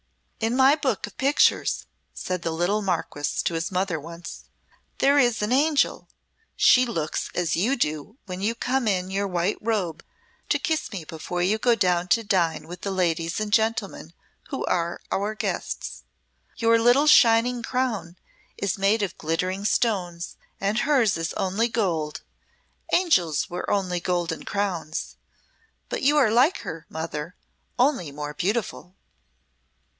"In my book of pictures," said the little Marquess to his mother once, "there is an angel. She looks as you do when you come in your white robe to kiss me before you go down to dine with the ladies and gentlemen who are our guests. Your little shining crown is made of glittering stones, and hers is only gold. Angels wear only golden crowns but you are like her, mother, only more beautiful."